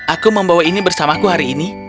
aku membawa ini bersamaku hari ini